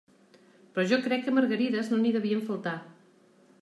Però jo crec que margarides no n'hi devien faltar.